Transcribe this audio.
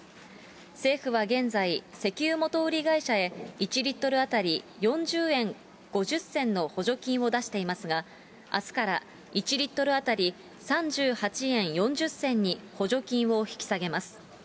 政府は現在、石油元売り会社へ、１リットル当たり４０円５０銭の補助金を出していますが、あすから１リットル当たり３８円４０銭に補助金を引き下げます。